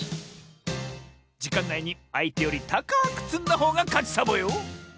じかんないにあいてよりたかくつんだほうがかちサボよ！